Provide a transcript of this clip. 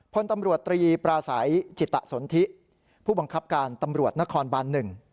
พลตำรวจตรีปราศัยจิตสนทิผู้บังคับการตำรวจนครบาน๑